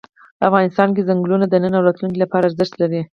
افغانستان کې ځنګلونه د نن او راتلونکي لپاره ارزښت لري.